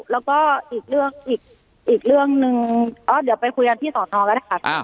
แล้วก็อีกเรื่องนึงเดี๋ยวไปคุยกันที่สอนท้องก็ได้ค่ะ